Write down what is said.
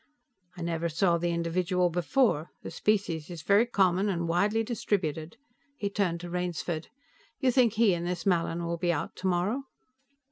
"I never saw the individual before. The species is very common and widely distributed." He turned to Rainsford. "You think he and this Mallin will be out tomorrow?"